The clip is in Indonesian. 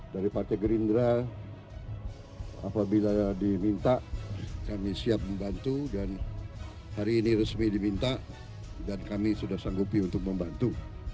dari partai gerindra apabila diminta kami siap membantu dan hari ini resmi diminta dan kami sudah sanggupi untuk membantu